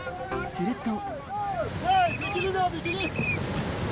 すると。